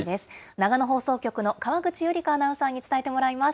長野放送局の川口由梨香アナウンサーに伝えてもらいます。